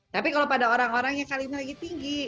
tapi kalau pada orang orang yang kalinya lagi tinggi